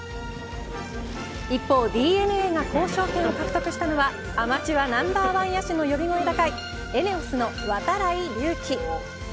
一方、ＤｅＮＡが交渉権を獲得したのはアマチュアナンバーワン野手の呼び声高いＥＮＥＯＳの度会隆輝。